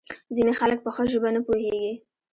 ځینې خلک په ښه ژبه نه پوهیږي.